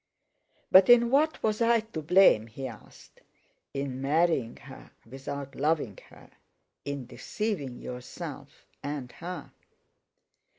"But in what was I to blame?" he asked. "In marrying her without loving her; in deceiving yourself and her."